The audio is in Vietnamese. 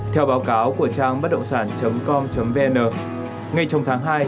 theo báo cáo của trang bất động sản com vn ngay trong tháng hai